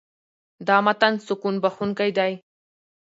دا متن سکون بښونکی دی.